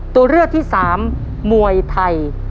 ตัวเลือกที่๓มวยไทย